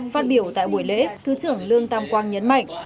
phát biểu tại buổi lễ thứ trưởng lương tam quang nhấn mạnh